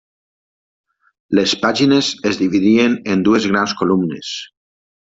Les pàgines es dividien en dues grans columnes.